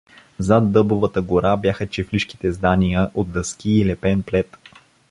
Зад дъбовата гора бяха чифлишките здания — от дъски и лепен плет.